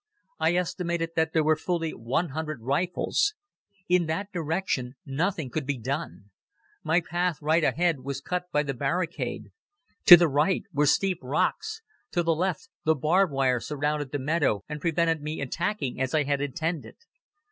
I estimated that there were fully one hundred rifles. In that direction nothing could be done. My path right ahead was cut by the barricade. To the right were steep rocks. To the left the barbed wire surrounded the meadow and prevented me attacking as I had intended.